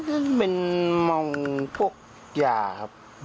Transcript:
ก็เป็นเมาพวกยาครับ